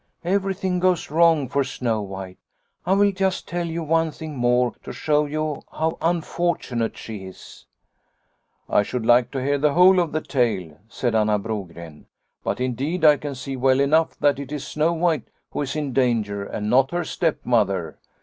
" Everything goes wrong for Snow White. I will just tell you one thing more to show you how unfortunate she is." " I should like to hear the whole of the tale," said Anna Brogren, " but indeed I can see well enough that it is Snow White who is in danger and not her stepmother."